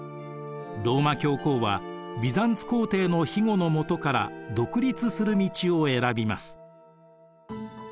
ローマ教皇はビザンツ皇帝のひごのもとから独立する道を選びます。